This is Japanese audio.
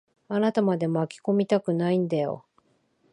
あなたまで巻き込みたくないんだよ。